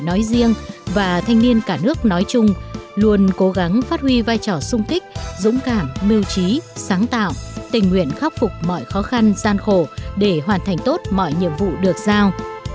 nói riêng và thanh niên cả nước nói chung luôn cố gắng phát huy vai trò sung kích dũng cảm mưu trí sáng tạo tình nguyện khắc phục mọi khó khăn gian khổ để hoàn thành tốt mọi nhiệm vụ được giao